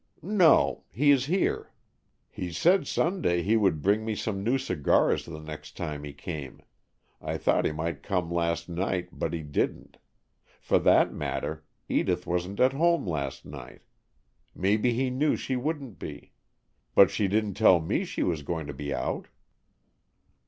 "No, he is here." "He said Sunday he would bring me some new cigars the next time he came. I thought he might come last night, but he didn't. For that matter, Edith wasn't at home last night. Maybe he knew she wouldn't be. But she didn't tell me she was going to be out."